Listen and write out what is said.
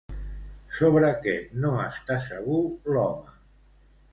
Sobre què no està segur l'home?